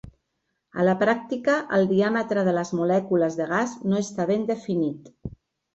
A la pràctica, el diàmetre de les molècules de gas no està ben definit.